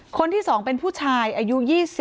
คนที่๒เป็นผู้ชายอายุ๒๐